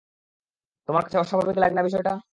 তোমার কাছে অস্বাভাবিক লাগে না বিষয়টা?